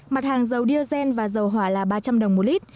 mặt hàng dầu diazen và dầu hỏa là ba trăm linh đồng một lít